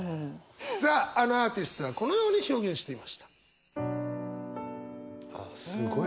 さああのアーティストはこのように表現していました。